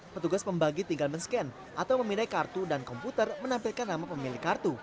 petugas pembagi tinggal men scan atau memindai kartu dan komputer menampilkan nama pemilik kartu